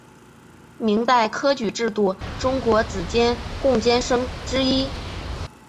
明代科举制度中国子监贡监生之一。